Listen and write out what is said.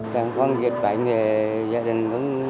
con dịch bệnh thì gia đình